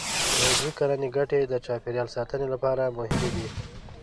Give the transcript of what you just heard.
د عضوي کرنې ګټې د چاپېریال ساتنې لپاره مهمې دي.